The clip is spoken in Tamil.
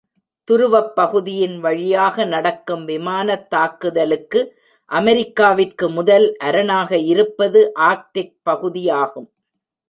துருவப் பகுதியின் வழியாக நடக்கும் விமானத்தாக்குதலுக்கு அமெரிக்காவிற்கு முதல் அரணாக இருப்பது ஆர்க்டிக் பகுதி ஆகும்.